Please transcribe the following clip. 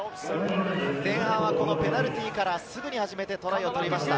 前半はペナルティーからすぐに始めて、トライを取りました。